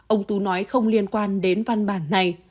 ông tú nói không liên quan đến văn bản này